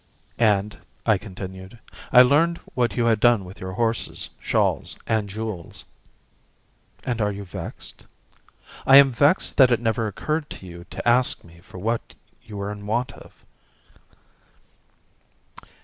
"And," I continued, "I learned what you had done with your horses, shawls, and jewels." "And you are vexed?" "I am vexed that it never occurred to you to ask me for what you were in want of."